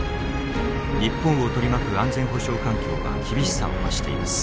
日本を取り巻く安全保障環境は厳しさを増しています。